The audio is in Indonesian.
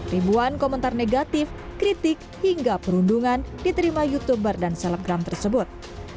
ribuan komentar negatif kritik hingga perundungan diterima youtuber dan selebgram tersebut